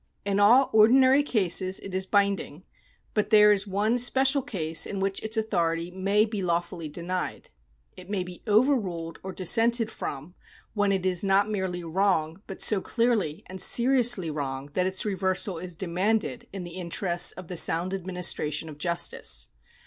In all ordinary cases it is binding, but there is one special case in which its authority may be lawfully denied. It may be over ruled or dissented from, when it is not merely wrong, but so clearly and seriously wrong that its reversal is demanded in the interests of the sound administration of justice.